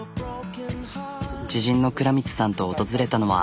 知人の藏光さんと訪れたのは。